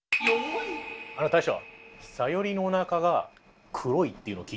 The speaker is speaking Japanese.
あの大将。